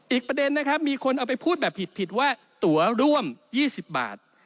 อีกประเด็นนะครับมีคนเอาไปพูดแบบผิดว่าตัวร่วม๒๐บาท